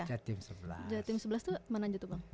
mas anies tuh mana aja tuh bang